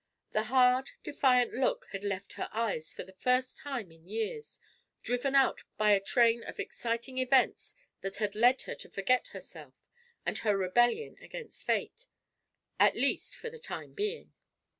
The hard, defiant look had left her eyes for the first time in years, driven out by a train of exciting events that had led her to forget herself and her rebellion against fate, at least for the time being.